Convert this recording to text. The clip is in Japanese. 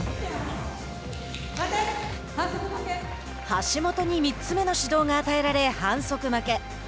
橋本に３つ目の指導が与えられ反則負け。